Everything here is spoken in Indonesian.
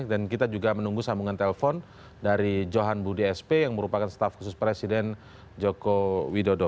dan kita juga menunggu sambungan telepon dari johan budi sp yang merupakan staff khusus presiden joko widodo